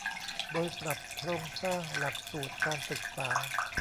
โดยปรับโครงสร้างหลักสูตรการศึกษา